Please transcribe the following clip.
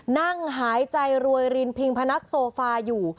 นั่งหายใจรวยรินพิงพนักโซฟาอยู่